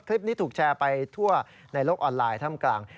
คลิปนี้ถูกแชร์ไปทั่วในโลกออนไลน์ท่ามกลาง